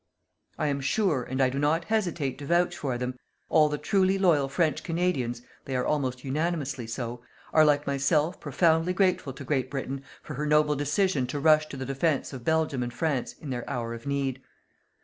I am sure, and I do not hesitate to vouch for them, all the truly loyal French Canadians they are almost unanimously so are like myself profoundly grateful to Great Britain for her noble decision to rush to the defense of Belgium and France in their hour of need.